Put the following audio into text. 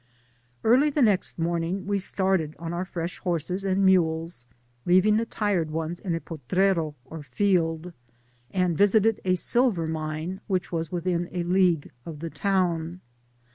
Early the next mormng wt started on our fresh horses and mules, leaving the tired ones in a po trero, or field, and visited a lilver' niinei which was within a league of the town.